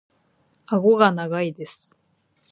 顎が長いです。